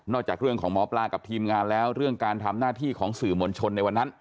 จากเรื่องของหมอปลากับทีมงานแล้วเรื่องการทำหน้าที่ของสื่อมวลชนในวันนั้น